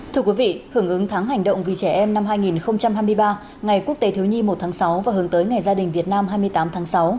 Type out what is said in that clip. thưa quý vị hưởng ứng tháng hành động vì trẻ em năm hai nghìn hai mươi ba ngày quốc tế thiếu nhi một tháng sáu và hướng tới ngày gia đình việt nam hai mươi tám tháng sáu